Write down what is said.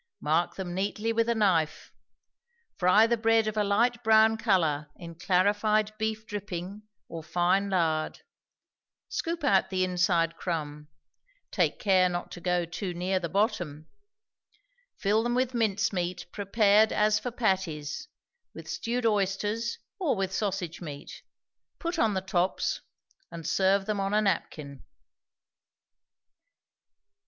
Mark them neatly with a knife; fry the bread of a light brown color in clarified beef dripping or fine lard; scoop out the inside crumb; take care not to go too near the bottom; fill them with mince meat prepared as for patties, with stewed oysters or with sausage meat; put on the tops, and serve them on a napkin.